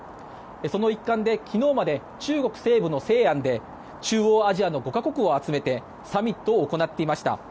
その一環で昨日まで中国西部の西安で中央アジアの５か国を集めてサミットを行っていました。